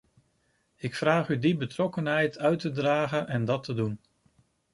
Ik vraag u die betrokkenheid uit te dragen en dat te doen.